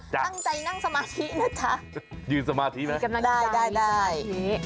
ตั้งใจนั่งสมาธินะจ๊ะยืนสมาธิไหมได้